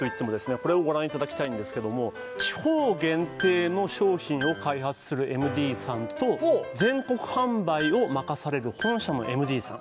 これをご覧いただきたいんですけども地方限定の商品を開発するＭＤさんと全国販売を任される本社のＭＤさん